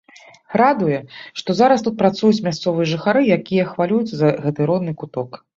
Радуе, што зараз тут працуюць мясцовыя жыхары, якія хвалююцца за гэты родны куток.